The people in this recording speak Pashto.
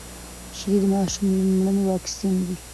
شيدې د ماشوم لومړنی واکسين دی.